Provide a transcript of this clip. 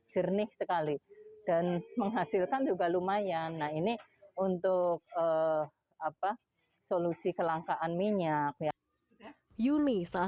jernih sekali dan menghasilkan juga lumayan nah ini untuk apa solusi kelangkaan minyak yuni salah